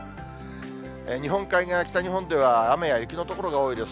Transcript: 日本海側、北日本では雨や雪の所が多いです。